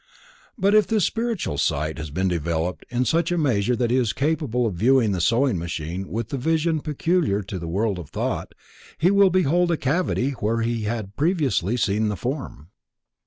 But if his spiritual sight has been developed in such a measure that he is capable of viewing the sewing machine with the vision peculiar to the World of Thought, he will behold a cavity where he had previously seen the form.